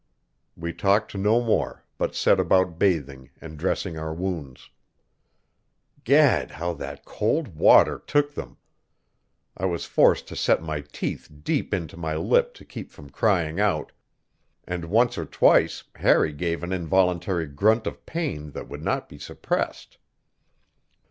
We talked no more, but set about bathing and dressing our wounds. Gad, how that cold water took them! I was forced to set my teeth deep into my lip to keep from crying out, and once or twice Harry gave an involuntary grunt of pain that would not be suppressed.